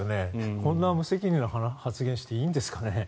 こんな無責任な発言していいんですかね。